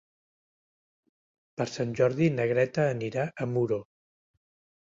Per Sant Jordi na Greta anirà a Muro.